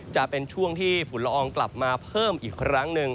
จะเป็นช่วงที่ฝุ่นละอองกลับมาเพิ่มอีกครั้งหนึ่ง